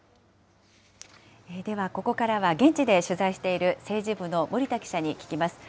では、ここからは現地で取材している政治部の森田記者に聞きます。